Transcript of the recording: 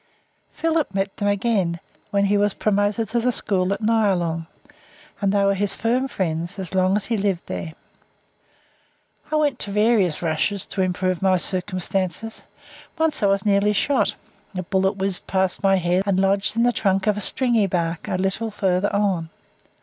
Philip met them again when he was promoted to the school at Nyalong, and they were his firm friends as long as he lived there. I went to various rushes to improve my circumstances. Once I was nearly shot. A bullet whizzed past my head, and lodged in the trunk of a stringy bark a little further on.